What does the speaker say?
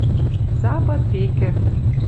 ЗАПАД ВЕКӸ